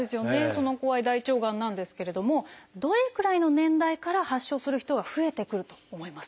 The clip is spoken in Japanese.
その怖い大腸がんなんですけれどもどれくらいの年代から発症する人が増えてくると思いますか？